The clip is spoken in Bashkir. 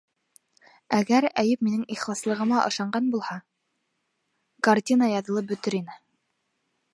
Әгәр Әйүп минең ихласлығыма ышанған булһа, картина яҙылып бөтөр ине!